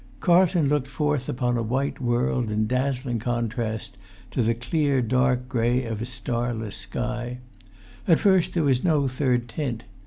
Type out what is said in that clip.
Carlton looked forth upon a white world in dazzling contrast to the clear dark grey of a starless sky; at first there was no third tint.